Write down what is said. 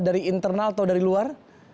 dari internal atau dari luar